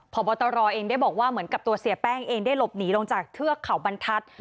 พบตรเองได้บอกว่าเหมือนกับตัวเสียแป้งเองได้หลบหนีลงจากเทือกเขาบรรทัศน์